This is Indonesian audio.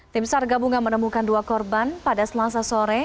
tim sar gabungan menemukan dua korban pada selasa sore